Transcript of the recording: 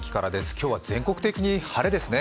今日は全国的に晴れですね。